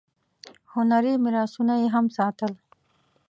هنري میراثونه یې هم ساتل.